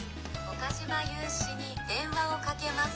「岡嶋裕史に電話をかけます」。